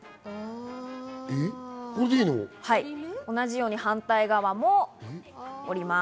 同じように反対側も折ります。